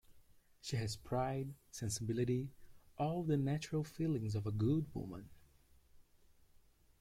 She has pride, sensibility, all the natural feelings of a good woman.